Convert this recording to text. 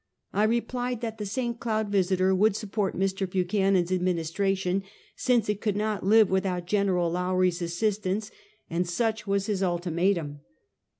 I re plied that the St. Cloud Visiter would support Mr. Buchanan's administration, since it could not live with out Gen. Lowrie's assistance, and such was his ulti matum.